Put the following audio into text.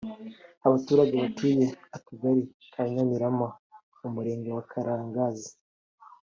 Abaturage batuye Akagali ka Nyamirama mu murenge wa Karangazi